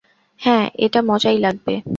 হ্যাঁ এটা মজাই লাগবে।